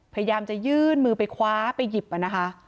พยายามจะยื่นมือไปคว้าไปหยิบนะคะ